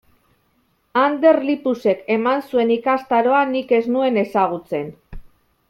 Ander Lipusek eman zuen ikastaroa nik ez nuen ezagutzen.